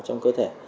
trong cơ thể